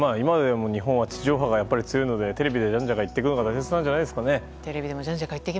日本は地上波が強いのでテレビでじゃんじゃか言っていくのが現実的なんじゃないですかね。